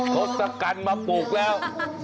ทศกัณฐ์มาปลูกแล้ว